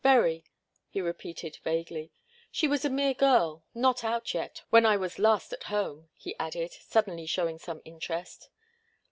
"Very," he repeated vaguely. "She was a mere girl not out yet when I was last at home," he added, suddenly showing some interest.